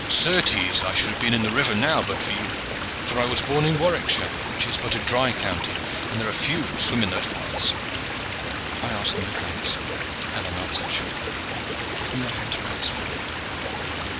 "Certes, I should have been in the river now but for you, for I was born in Warwickshire, which is but a dry county, and there are few who swim in those parts." "I ask no thanks," Alleyne answered shortly. "Give me your hand to rise, Ford."